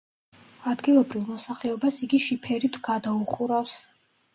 ადგილობრივ მოსახლეობას იგი შიფერით გადაუხურავს.